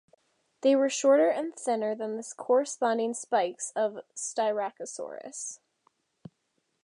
They were shorter and thinner than the corresponding spikes of "Styracosaurus".